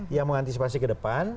yang mengantisipasi ke depan